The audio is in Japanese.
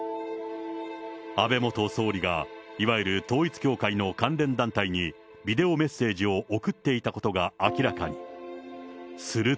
安倍元総理が、いわゆる統一教会の関連団体に、ビデオメッセージを送っていたことが明らかに。